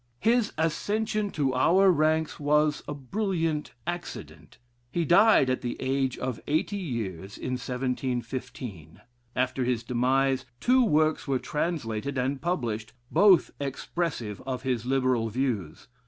His accession to our ranks was a brilliant accident. He died, at the age of eighty years, in 1715. After his demise, two works were translated (and published,) both expressive of his liberal views.